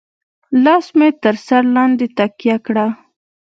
لاس مې تر سر لاندې تکيه کړه.